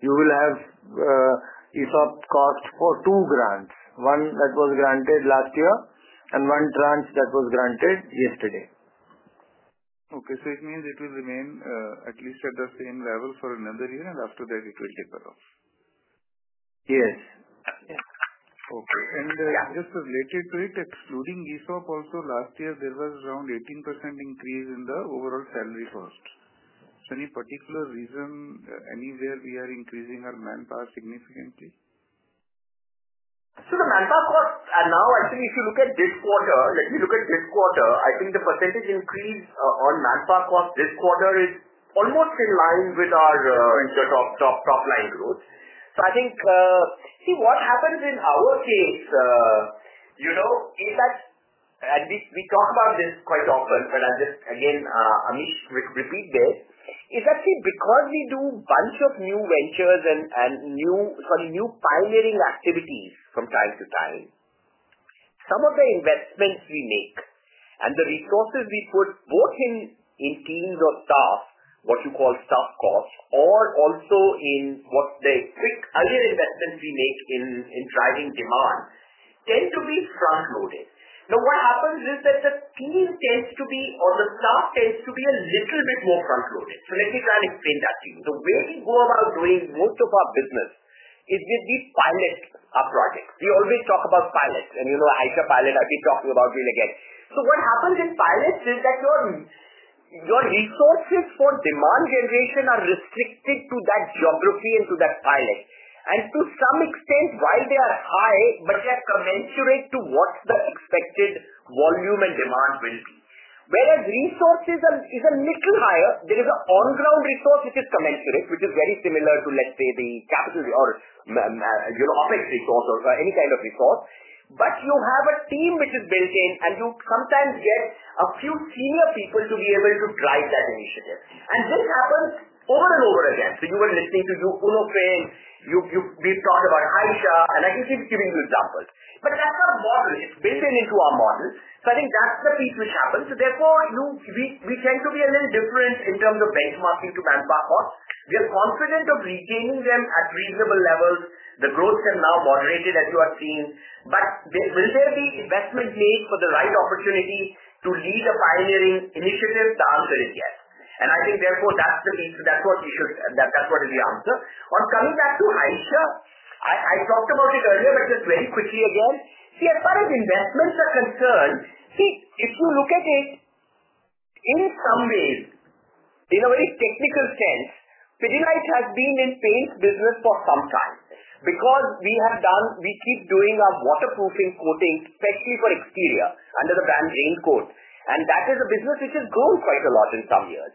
you will have ESOP costs for two grants, one that was granted last year and one tranche that was granted yesterday. Okay. It means it will remain, at least at the same level for another year, and after that, it will defer off? Yes. Okay. Just related to it, excluding ESOP also last year, there was around 18% increase in the overall salary cost. Any particular reason anywhere we are increasing our manpower significantly? The manpower costs are now, I think if you look at this quarter, let me look at this quarter, I think the percentage increase on manpower costs this quarter is almost in line with our, in terms of top line growth. What happens in our case is that, and we talk about this quite often, but I'll just again, Amnish, repeat this, is actually because we do a bunch of new ventures and some new pioneering activities from time to time. Some of the investments we make and the resources we put both in teams of staff, what you call staff costs, or also in what the quick other investments we make in driving demand tend to be front-loaded. What happens is that the teams tend to be, or the staff tends to be a little bit more front-loaded. Let me try and explain that to you. Where we go about doing most of our business is we pilot our projects. We always talk about pilots, and you know Haisha pilot, I've been talking about it again. What happens in pilots is that your resources for demand generation are restricted to that geography and to that pilot. To some extent, while they are high, they are commensurate to what the expected volume and demand will be. Whereas resources are a little higher, there is an on-ground resource which is commensurate, which is very similar to, let's say, the capital or office resource or any kind of resource. You have a team which is built in, and you sometimes get a few senior people to be able to drive that initiative. This happens over and over again. If you were listening to UnoFin, we've talked about Haisha, and I can keep giving you examples. That's our model. It's built into our model. I think that's the reason which happens. Therefore, we tend to be a little different in terms of benchmarking to manpower costs. We are confident of retaining them at reasonable levels. The growths are now moderated, as you are seeing. Will there be investment made for the right opportunity to lead a pioneering initiative? The answer is yes. I think therefore, that's what you should, that's what is the answer. Coming down to Haisha, I talked about it earlier, but just very quickly again. As far as investments are concerned, if we look at it, in some ways, in a very technical sense, Pidilite Industries Limited has been in paint business for some time because we have done, we keep doing our waterproofing coatings, especially for exterior, under the brand Raincoat. That is a business which has grown quite a lot in some years.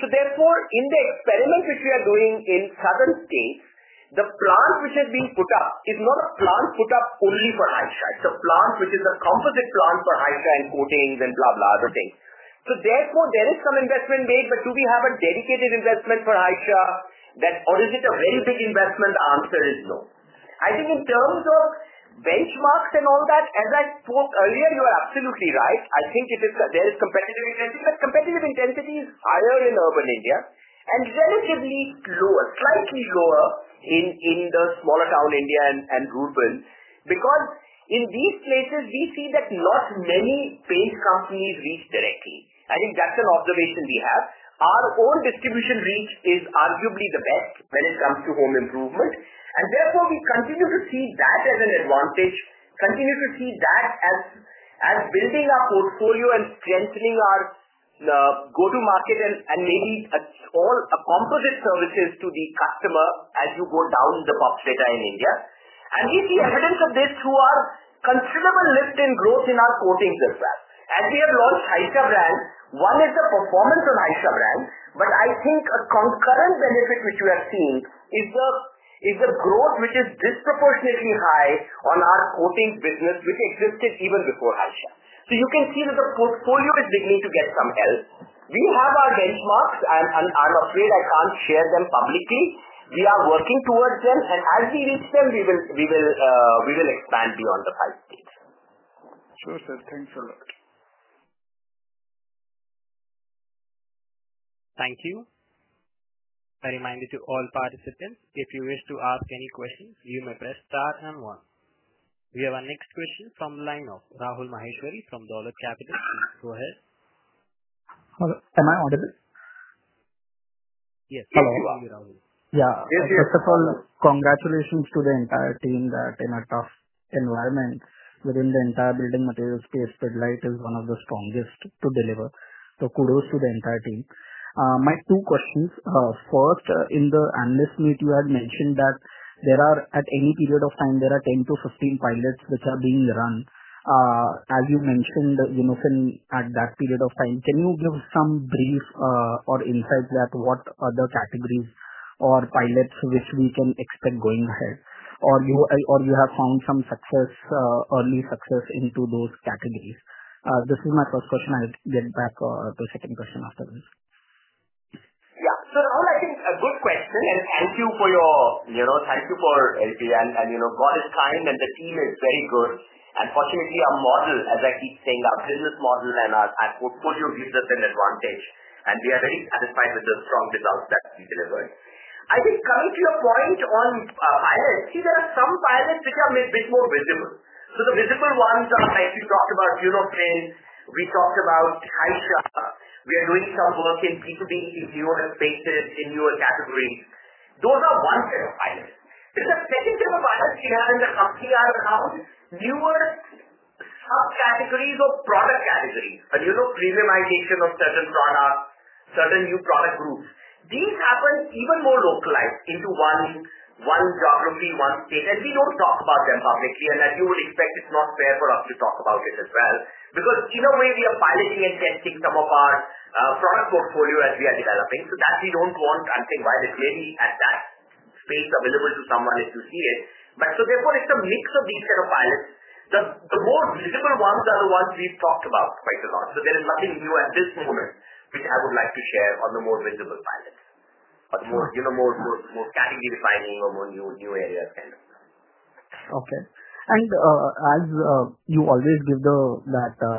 Therefore, in the experiments which we are doing in southern states, the plant which is being put up is not a plant put up only for Haisha. It's a plant which is a composite plant for Haisha and coatings and other things. Therefore, there is some investment made, but do we have a dedicated investment for Haisha, or is it a very big investment? The answer is no. I think in terms of benchmarks and all that, as I spoke earlier, you are absolutely right. I think there is competitive intensity. The competitive intensity is higher in urban India, and it is slightly lower in the smaller town India and rural, because in these places, we see that not many paint companies reach directly. I think that's an observation we have. Our own distribution reach is arguably the best when it comes to home improvements. Therefore, we continue to see that as an advantage, continue to see that as building our portfolio and strengthening our go-to-market and maybe all the composite services to the customer as you go down the COPS data in India. We see evidence of this through our considerable lift in growth in our coatings as well. As we have launched Haisha brand, one is the performance on Haisha brand, but I think a concurrent benefit which we have seen is the growth which is disproportionately high on our coatings business, which existed even before Haisha. You can see that the portfolio is beginning to get some help. We have our benchmarks, and I'm afraid I can't share them publicly. We are working towards them, and as we reach them, we will expand beyond the price. Perfect. Thanks a lot. Thank you. I remind you all participants, if you wish to ask any questions, you may press star and one. We have our next question from the line of Rahul Maheshwari from Dolat Capital. Please go ahead. Hello. Am I audible? Yes. Hello. I'm Rahul. First of all, congratulations to the entire team that in a tough environment within the entire building material space, Pidilite is one of the strongest to deliver. Kudos to the entire team. My two questions. First, in the analyst meet, you had mentioned that there are, at any period of time, 10-15 pilots which are being run. As you mentioned, UnoFin at that period of time, can you give some brief, or insights at what other categories or pilots which we can expect going ahead? Or you have found some success, early success into those categories? This is my first question. I'll get back to the second question after this. Rahul, I think it's a good question. Thank you for your, you know, thank you for helping. God is kind, and the team is very good. Fortunately, our model, as I keep saying, our business model and our portfolio give us an advantage. We are very satisfied with the strong results that we delivered. I think coming to your point on pilots, there are some pilots which are a bit more visible. The visible ones are as we talked about UnoFin. We talked about Haisha. We are doing some work in B2B if you want to place it in your category. Those are one set of pilots. The second set of pilots we have in the company are around newer subcategories of product categories. Premiumization, certain products, certain new product groups. These happen even more localized into one geography, one state. We don't talk about them publicly. As you expect, it's not fair for us to talk about it as well. In a way, we are piloting and testing some of our product portfolio as we are developing that. We don't want something widely clearly at that space available to someone if you see it. Therefore, it's a mix of these set of pilots. The more visible ones are the ones we've talked about quite a lot. There is nothing new at this moment which I would like to share on the more visible pilots, on the more category defining or more new areas kind of. Okay. As you always give the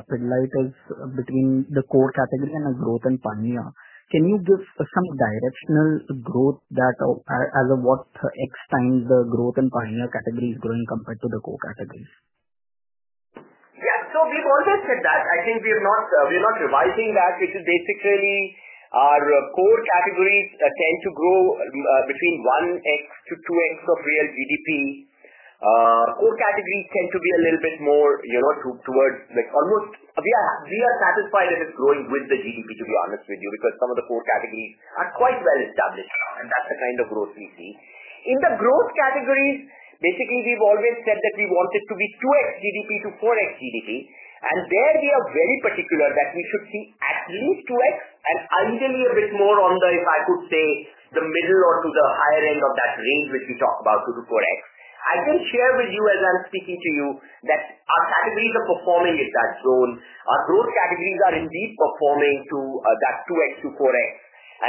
Pidilite between the core category and the growth and pioneer, can you give some directional growth that as of what extent the growth and pioneer category is growing compared to the core categories? Yeah. We've always said that. I think we are not revising that, which is basically our core categories tend to grow between 1x-2x of real GDP. Core categories tend to be a little bit more, you know, towards almost we are satisfied that it's growing with the GDP, to be honest with you, because some of the core categories are quite well established. That's the kind of growth we see. In the growth categories, we've always said that we want it to be 2x GDP to 4x GDP. We are very particular that we should see at least 2x and ideally a bit more on the, if I could say, the middle or to the higher end of that range which we talk about, 2x-4x. I can share with you as I'm speaking to you that our categories are performing in that zone. Our growth categories are indeed performing to that 2x-4x.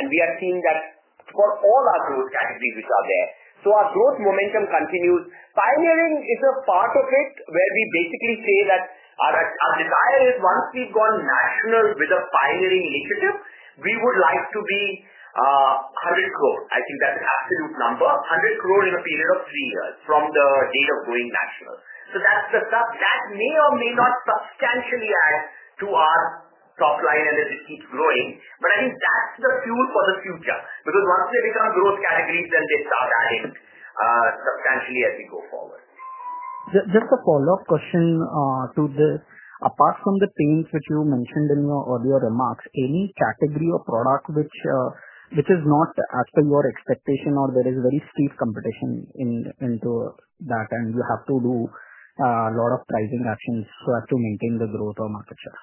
We are seeing that for all our growth categories which are there. Our growth momentum continues. Pioneering is a part of it where we basically say that our desire is once we've gone national with a pioneering initiative, we would like to be 100 crore. I think that's an absolute number, 100 crore in a period of three years from the date of going national. That's the stuff that may or may not substantially add to our top line as it keeps growing. I think that's the fuel for the future because once they become growth categories, then they start adding substantially as we go forward. Just a follow-up question to this. Apart from the pains which you mentioned in your earlier remarks, any category or product which is not as per your expectation or there is very steep competition in that and you have to do a lot of pricing actions to maintain the growth or market share?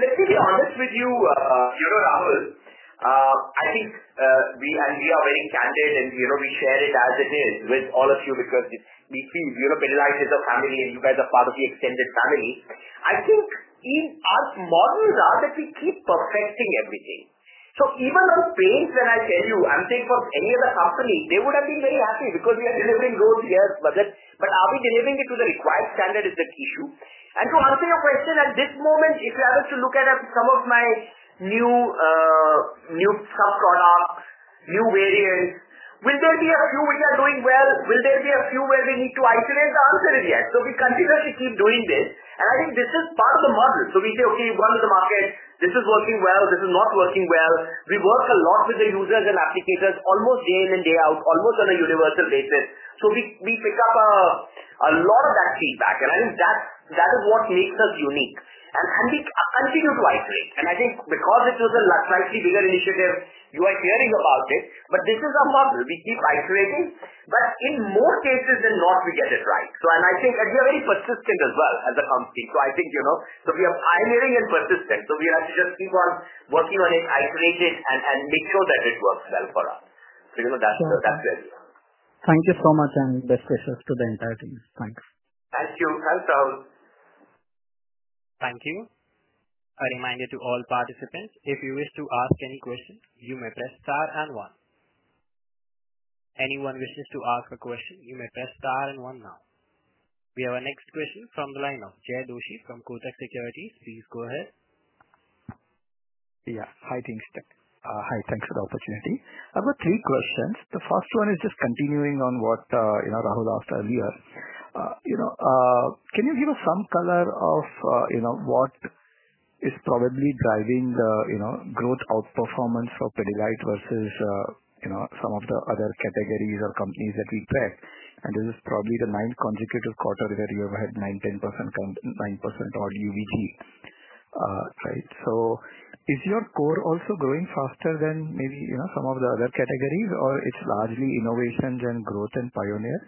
Let me be honest with you, Rahul. I think we are very candid and you know we share it as it is with all of you because Pidilite is a family and you guys are part of the extended family. I think in our models we keep perfecting everything. Even on paints, when I tell you, I'm saying for any other company, they would have been very happy because we are delivering those years. Are we delivering it to the required standard is the key issue. To answer your question, at this moment, if you are to look at some of my new subproducts, new variants, will there be a few which are doing well? Will there be a few where we need to iterate? The answer is yes. We continue to keep doing this. I think this is part of the model. We say, okay, we've gone to the market. This is working well. This is not working well. We work a lot with the users and applications almost day in and day out, almost on a universal basis. We pick up a lot of that feedback. I think that is what makes us unique and how we continue to iterate. I think because it was a slightly bigger initiative, you are hearing about it. This is our model. We keep iterating. In more cases than not, we get it right. I think we are very persistent as well as a company. I think, you know, we are iterating and persistent. We have to just keep on working on it, iterate it, and make sure that it works well for us. You know, that's it. Thank you so much and best wishes to the entire team. Thanks. Thank you. Thank you. A reminder to all participants, if you wish to ask any questions, you may press star and one. Anyone who wishes to ask a question, you may press star and one now. We have our next question from the line of Jay Doshi from Kotak Securities. Please go ahead. Yeah. Hi, thanks for the opportunity. I've got three questions. The first one is just continuing on what Rahul asked earlier. Can you give us some color of what is probably driving the growth outperformance for Pidilite versus some of the other categories or companies that we've read? This is probably the ninth consecutive quarter where you have had 9%, 10%, 9% odd UVG, right? Is your core also growing faster than maybe some of the other categories or it's largely innovation and growth and pioneer?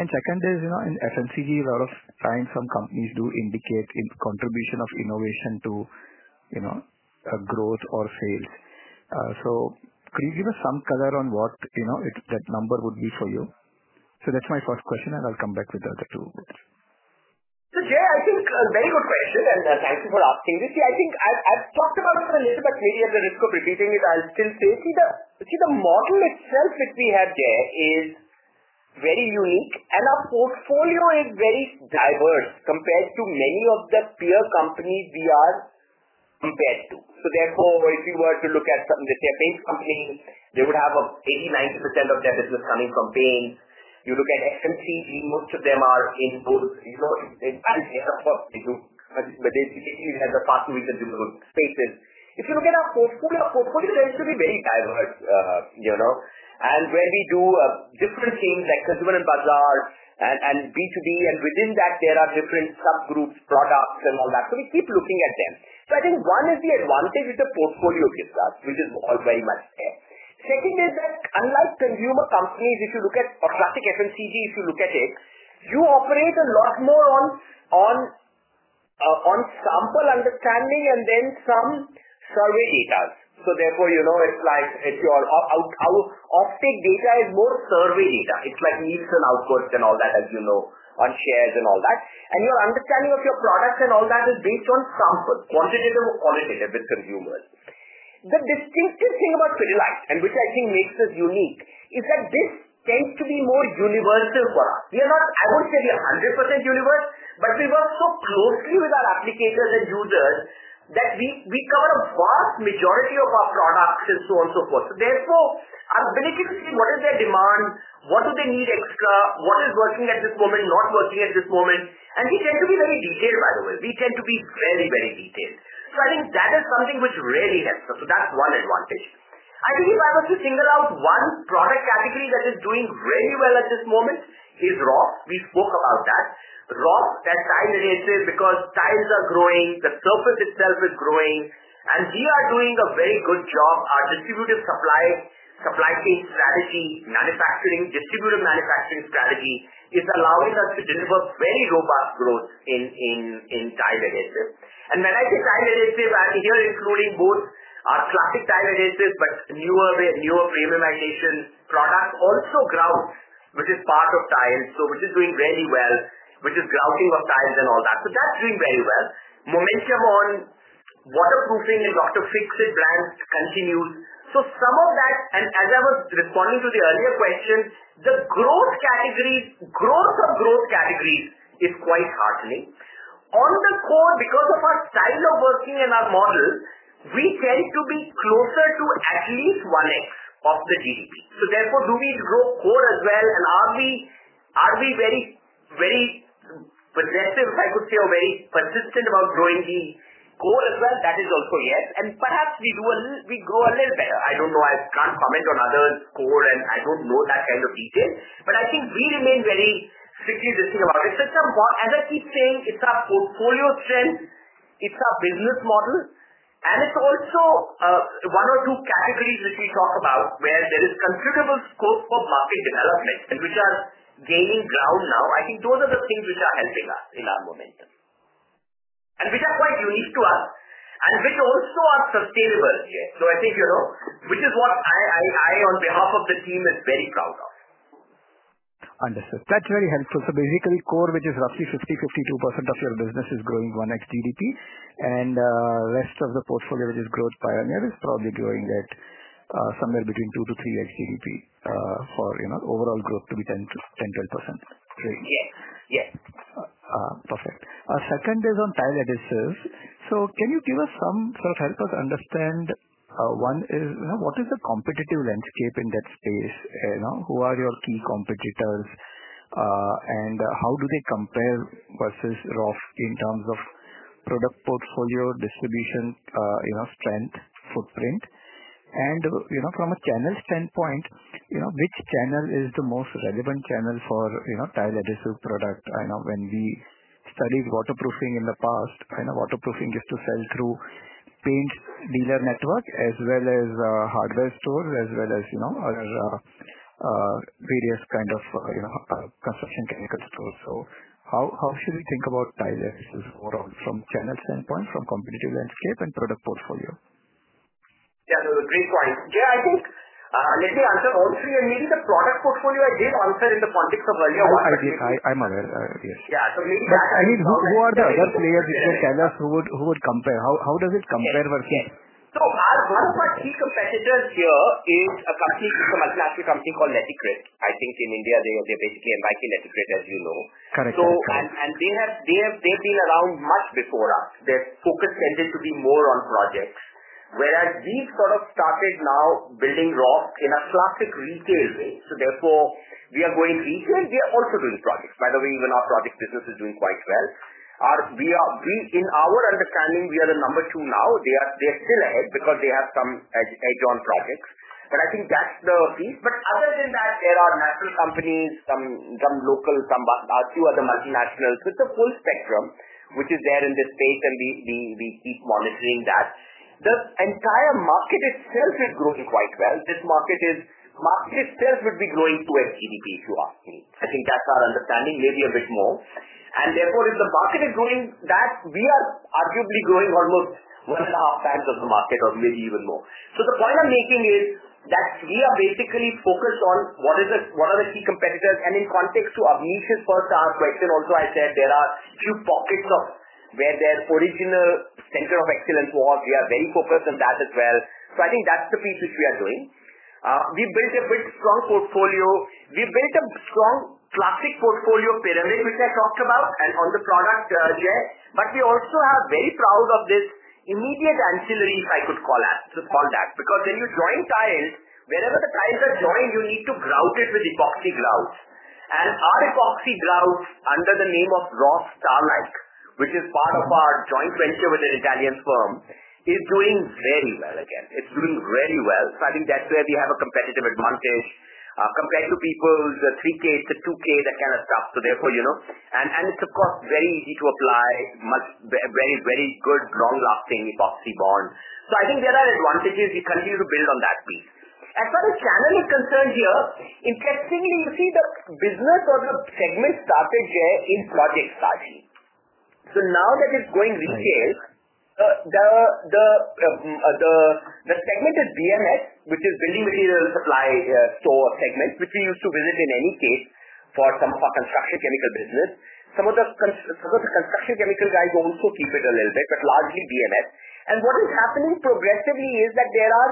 In FMCG, a lot ofx some companies do indicate contribution of innovation to a growth or sales. Please give us some color on what that number would be for you. That's my first question, and I'll come back with the other two. Jay, I think it's a very good question, and I'm thankful for asking this. I think I've talked about it a little bit, but maybe at the risk of repeating it, I'll still say, the model itself which we have there is very unique, and our portfolio is very diverse compared to many of the peer companies we are compared to. If you were to look at the paint companies, they would have 80%-90% of their business coming from paint. You look at FMCG, most of them are in both, you know, as you mentioned, even as a fast moving digital statement. If you look at our whole portfolio, portfolio is actually very diverse. We do different things like procurement and Consumer and Bazaar and B2B, and within that, there are different subgroups, products, and all that. We keep looking at them. One is the advantage that the portfolio gives us, which is all very much there. Second is that unlike consumer companies, if you look at or track FMCG, you operate a lot more on sample understanding and then some survey data. Your data is more survey data. It's like news and outputs and all that, as you know, on shares and all that. Your understanding of your products and all that is based on sample, quantitative or qualitative with consumers. The distinctive thing about Pidilite, and which I think makes us unique, is that this tends to be more universal for us. I wouldn't say we are 100% universal, but we work so closely with our applications and users that we cover a vast majority of our products and so on and so forth. Our ability to see what is their demand, what do they need extra, what is working at this moment, not working at this moment, and we tend to be very detailed, by the way. We tend to be very, very detailed. That is something which really helps us. That's one advantage. If I was to single out one product category that is doing very well at this moment, it is Roff. We spoke about that. Roff, that's tile initiative because tiles are growing, the surface itself is growing, and we are doing a very good job. Our distributed supply chain strategy, manufacturing, distributed manufacturing strategy is allowing us to deliver very robust growth in tile initiative. When I say tile initiative, I'm here including both our classic tile initiative and newer premiumization products, also grout, which is part of tiles, so which is doing very well, which is grouting of tiles and all that. That's doing very well. Momentum on waterproofing and Dr. Fixit brand continues. Some of that, and as I was responding to the earlier question, the growth categories, growth of growth categories is quite heartening. On the code, because of our style of working and our model, we tend to be closer to at least 1x of the GDP. Therefore, do we grow code as well, and are we very, very progressive, I could say, or very consistent about growing the code as well? That is also yes. Perhaps we do a little, we grow a little better. I don't know. I can't comment on others' code, and I don't know that kind of detail. I think we remain very strictly disciplined about it. As I keep saying, it's our portfolio strength, it's our business model, and it's also one or two categories which we talk about where there is considerable scope for market development and which are gaining ground now. I think those are the things which are helping us in our momentum and which are quite unique to us and which also are sustainable. I think, you know, which is what I, on behalf of the team, am very proud of. Understood. That's very helpful. Basically, core, which is roughly 50%-52% of your business, is growing 1x GDP, and the rest of the portfolio, which is growth pioneer, is probably growing at somewhere between 2x to 3x GDP for overall growth to be 10%-12%. Yes. Perfect. Our second is on tile adhesives. Can you give us some sort of help to understand, one is, you know, what is the competitive landscape in that space? Who are your key competitors, and how do they compare versus Roff in terms of product portfolio, distribution, strength, footprint? From a channel standpoint, which channel is the most relevant channel for tile adhesive products? I know when we studied waterproofing in the past, waterproofing used to sell through paint dealer networks as well as hardware stores, as well as various kinds of construction chemical stores. How should we think about tile adhesives overall from a channel standpoint, from a competitive landscape and product portfolio? Yeah, there are three points. Jay, I think let me answer all three. Maybe the product portfolio I gave answer in the context of earlier. I'm aware. Yeah. Who are the other players in the canvas who would compare? How does it compare versus? One of our key competitors here is a company from a classic company called Laticrete. I think in India, they were basically embarking Laticrete, as you know. Correct, yes. They have been around much before us. Their focus tended to be more on projects, whereas we've sort of started now building Roff in a classic retail way. Therefore, we are going retail. We are also doing projects. By the way, even our project business is doing quite well. In our understanding, we are the number two now. They are still ahead because they have some edge on projects. I think that's the piece. Other than that, there are national companies, some local, a few other multinationals, with the full spectrum, which is there in the state, and we keep monitoring that. The entire market itself is growing quite well. This market itself would be growing 2x GDP if you ask me. I think that's our understanding, maybe a bit more. Therefore, if the market is growing, we are arguably growing almost one and a halfx the market or maybe even more. The point I'm making is that we are basically focused on what are the key competitors. In context to Amnish's first question, also I said there are a few pockets where their original center of excellence was. We are very focused on that as well. I think that's the piece which we are doing. We built a strong portfolio. We built a strong classic portfolio pyramid, which I talked about, and on the product, Jay. We also are very proud of this immediate ancillary, if I could call that, because when you're drawing tiles, wherever the tiles are drawing, you need to grout it with epoxy grout. Our epoxy grout under the name of Roff Starlike, which is part of our joint venture with an Italian firm, is doing very well again. It's doing very well. I think that's where we have a competitive advantage compared to people's 3,000-2,000, that kind of stuff. It is of course very easy to apply. It's a very, very good long-lasting epoxy bond. I think there are advantages. We continue to build on that piece. As far as channel is concerned here, interestingly, you see the business or the segment started there in smart Haisha team. Now that it's going retail, the segment is BMS, which is building the supply store segment, which we used to visit in any case for some construction chemicals business. Some of the construction chemicals I go and co-teach it a little bit, but largely BMS. What is happening progressively is that there are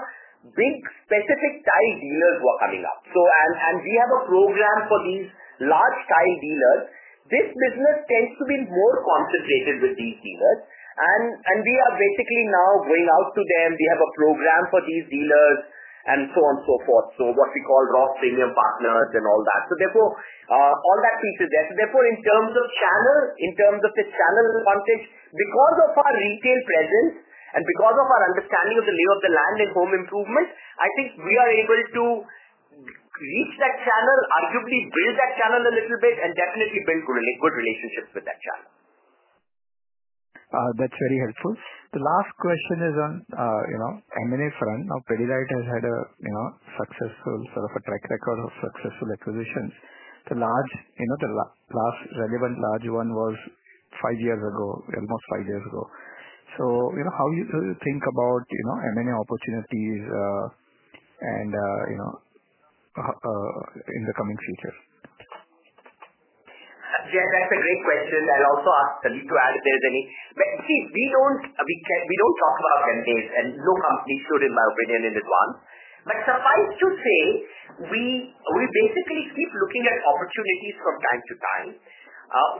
big specific tile dealers who are coming up, and we have a program for these large tile dealers. This business tends to be more concentrated with these dealers. We are basically now going out to them. We have a program for these dealers and so on and so forth, what we call raw premium partners and all that. In terms of channel, in terms of the channel content, because of our retail presence and because of our understanding of the name of the land and home improvement, I think we are able to reach that channel, arguably build that channel a little bit, and definitely build good relationships with that channel. That's very helpful. The last question is on the M&A front. Now, Pidilite Industries Limited has had a successful sort of a track record of successful acquisitions. The last relevant large one was five years ago, almost five years ago. How do you think about M&A opportunities in the coming future? Jay, that's a great question. I need to add if there's any, but we don't talk about vendors and no company should, in my opinion, in advance. Suffice to say, we basically keep looking at opportunities from time to time.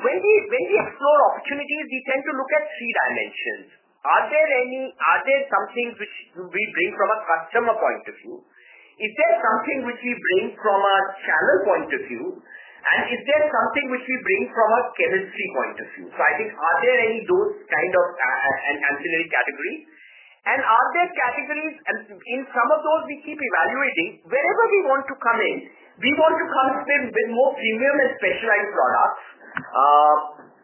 When we explore opportunities, we tend to look at three dimensions. Are there any, is there something which we bring from a customer point of view? Is there something which we bring from a channel point of view? Is there something which we bring from a chemistry point of view? I think, are there any of those kind of ancillary categories? Are there categories in some of those we keep evaluating? Wherever we want to come in, we want to come in with more premium and specialized products,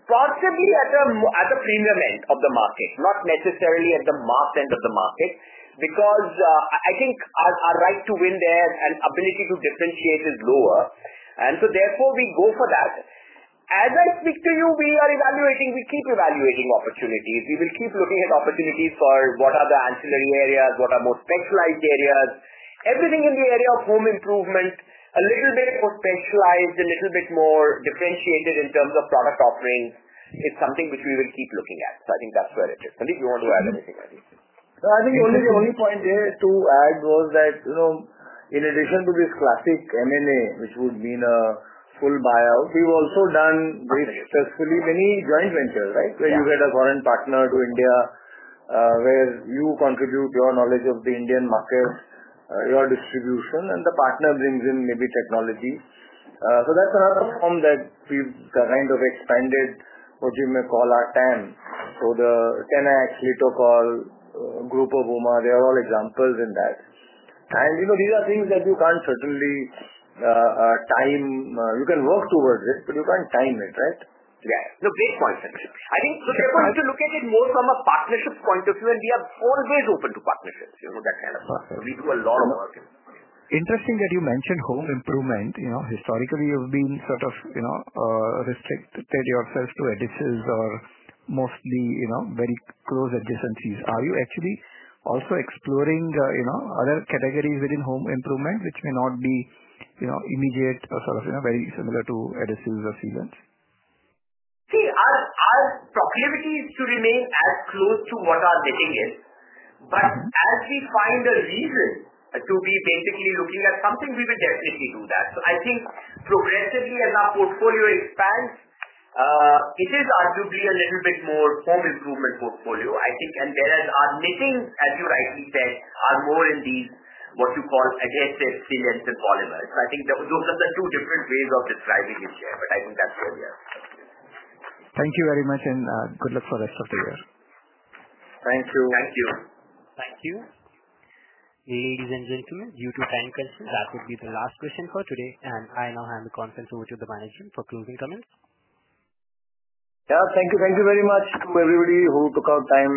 possibly at a premium end of the market, not necessarily at the mass end of the market because I think our right to win there and ability to differentiate is lower. Therefore, we go for that. As I speak to you, we are evaluating, we keep evaluating opportunities. We will keep looking at opportunities for what are the ancillary areas, what are more specialized areas, everything in the area of home improvement, a little bit more specialized, a little bit more differentiated in terms of product offerings, is something which we will keep looking at. I think that's where it is. I think you want to add anything, Amnish? No, I think the only point there to add was that, in addition to this classic M&A, which would mean a full buyout, we've also done very successfully many joint ventures, right, where you get a foreign partner to India, where you contribute your knowledge of the Indian market, your distribution, and the partner brings in maybe technology. That's another form that we've kind of expanded, what you may call our TAM, or the 10x [LitoCall] group of Omar. They are all examples in that. These are things that you can't certainly time. You can work towards it, but you can't time it, right? Yes, the big ones, actually. I think so, therefore, I have to look at it more from a partnership point of view, and we are always open to partnerships. You know, that kind of stuff. We do a lot of work in that area. Interesting that you mentioned home improvement. Historically, you've been sort of restricted yourself to adhesives or mostly very close adjacencies. Are you actually also exploring other categories within home improvement which may not be immediate or very similar to adhesives or sealants? See, our proclivity is to remain as close to what our netting is, but as we find a reason to be basically looking at something, we will definitely do that. I think progressively, as our portfolio expands, it is arguably a little bit more home improvement portfolio, I think. Our netting, as you rightly said, are more indeed what you call adhesive, sealant, and polymer. I think those are the two different ways of describing it there, but I think that's where we are. Thank you very much, and good luck for the rest of the year. Thank you. Thank you. Thank you. Ladies and gentlemen, due to time constraints, that would be the last question for today. I now hand the conference over to the Manager for closing comments. Yeah, thank you. Thank you very much to everybody who took our time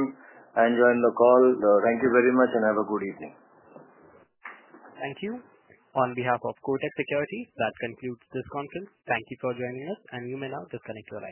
and joined the call. Thank you very much, and have a good evening. Thank you. On behalf of Kotak Securities, that concludes this conference. Thank you for joining us, and you may now disconnect.